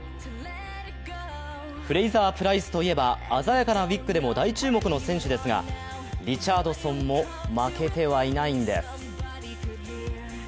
フレイザープライスといえば鮮やかなウィッグでも大注目の選手ですが、リチャードソンも負けてはいないんです。